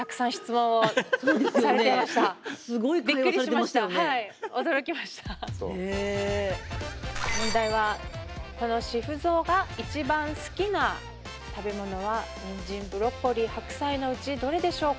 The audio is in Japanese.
問題はこのシフゾウが一番好きな食べ物はニンジンブロッコリー白菜のうちどれでしょうか。